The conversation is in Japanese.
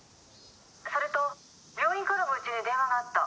それと病院からもうちに電話があった。